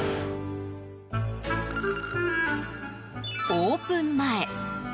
オープン前。